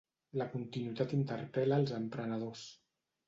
La continuïtat interpel·la els emprenedors.